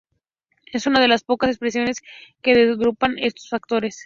Es una de las pocas expresiones que agrupan estos factores.